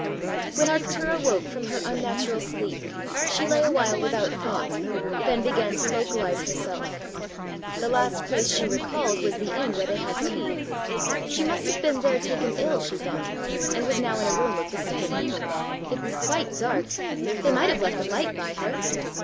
When Arctura woke from her unnatural sleep, she lay a while without thought, then began to localize herself. The last place she recalled was the inn where they had tea: she must have been there taken ill, she thought, and was now in a room of the same. It was quite dark: they might have left a light by her!